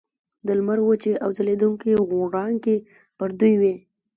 د لمر وچې او ځلیدونکي وړانګې پر دوی وې.